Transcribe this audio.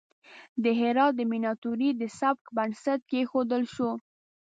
د هرات د میناتوری د سبک بنسټ کیښودل شو.